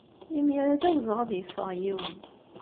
Imir-a, d awezɣi ad yeffeɣ yiwen.